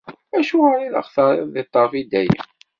Acuɣer i aɣ-terriḍ di ṭṭerf i dayem?